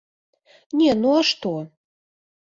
Не, ну а што?